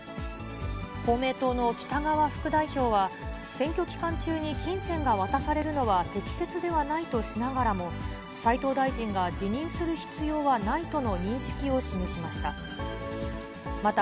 公明党の北側副代表は、選挙期間中に金銭が渡されるのは適切ではないとしながらも、斉藤大臣が辞任する必要はないとの認識を示しました。